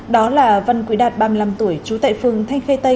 đó là văn quý đạt ba mươi năm tuổi trú tại phường thanh khê tây